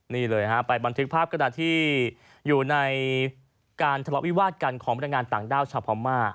นี่เลยฮะไปบันทึกภาพกระดาษที่อยู่ในการทะเลาะวิวาดกันของบรรยายงานต่างด้าวชาวพม่า